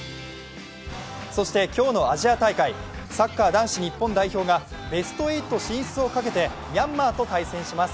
そして今日のアジア大会サッカー男子日本代表がベスト８進出をかけてミャンマーと対決します。